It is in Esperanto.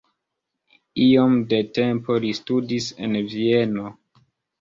Iom de tempo li studis en Vieno.